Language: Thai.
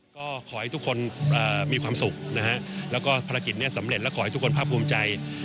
ก็ขอให้ทุกคนมีความสุขนะฮะแล้วก็ภารกิจนี้สำเร็จและขอให้ทุกคนภาคภูมิใจ